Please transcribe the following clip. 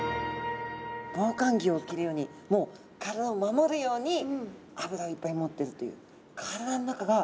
防寒着を着るようにもう体を守るように脂をいっぱい持ってるという。